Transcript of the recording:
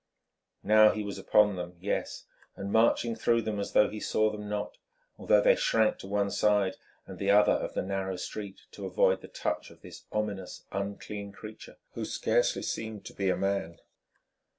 Now he was upon them, yes, and marching through them as though he saw them not, although they shrank to one side and the other of the narrow street to avoid the touch of this ominous, unclean creature who scarcely seemed to be a man.